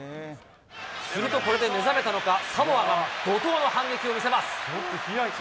するとこれで目覚めたのか、サモアが怒とうの反撃を見せます。